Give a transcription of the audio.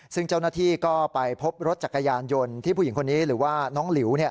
ซึ่งเจ้าหน้าที่ก็ไปพบรถจักรยานยนต์ที่ผู้หญิงคนนี้หรือว่าน้องหลิว